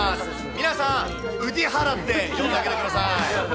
皆さん、ウディ原って呼んであげてください。